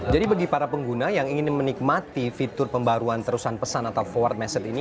jadi bagi para pengguna yang ingin menikmati fitur pembaruan terusan pesan atau forward message ini